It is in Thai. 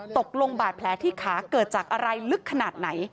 ตกลงบาดแผลที่ขาเกิดจากอะไรลึกขนาดไหน